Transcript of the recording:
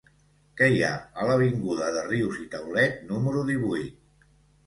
Què hi ha a l'avinguda de Rius i Taulet número divuit?